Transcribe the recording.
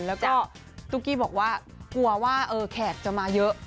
แล้วก็ตุ๊กกี้บอกว่ากลัวว่าแขกจะมาเยอะ